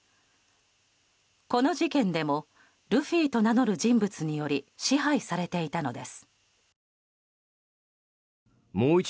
この事件でもルフィと名乗る人物により支配されていたのです。